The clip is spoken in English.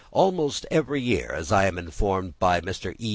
Almost every year, as I am informed by Mr. E.